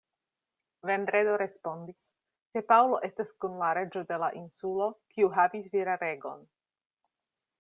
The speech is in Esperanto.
Vendredo respondis, ke Paŭlo estas kun la reĝo de la insulo, kiu havis viraregon.